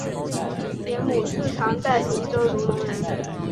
田牟是唐代平州卢龙人。